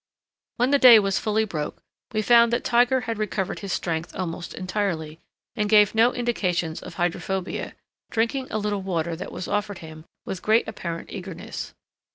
When the day was fully broke, we found that Tiger had recovered his strength almost entirely, and gave no indications of hydrophobia, drinking a little water that was offered him with great apparent eagerness.